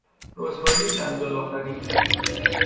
رسوایی جنجال آفرین